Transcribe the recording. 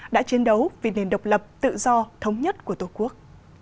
đã chiến đấu vì nền độc lập tự do thống nhất của tổ quốc